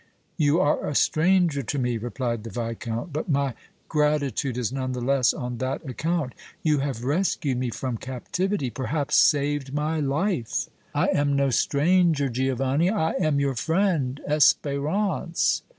"You are a stranger to me," replied the Viscount, "but my gratitude is none the less on that account. You have rescued me from captivity, perhaps saved my life!" "I am no stranger, Giovanni. I am your friend, Espérance."